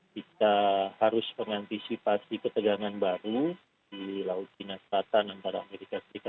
kita harus mengantisipasi ketegangan baru di laut cina selatan antara amerika serikat